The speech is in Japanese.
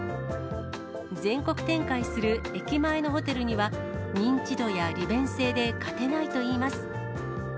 全国展開する駅前のホテルには、認知度や利便性で勝てないといいます。